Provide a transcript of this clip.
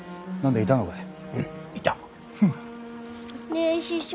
ねえ師匠。